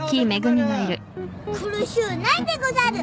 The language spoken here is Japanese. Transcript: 苦しゅうないでござる。